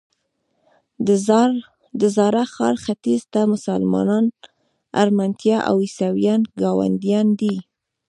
د زاړه ښار ختیځ ته مسلمانان، ارمنیان او عیسویان ګاونډیان دي.